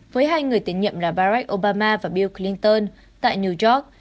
với hai người tiến nhiệm là barack obama và bill clinton tại new york